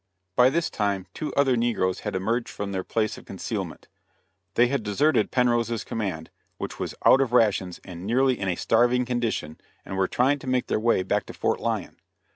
By this time two other negroes had emerged from their place of concealment. They had deserted Penrose's command which was out of rations and nearly in a starving condition and were trying to make their way back to Fort Lyon.